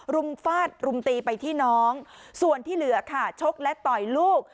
รุมฟาดรุมตีไปที่น้องส่วนที่เหลือค่ะชกและต่อยลูก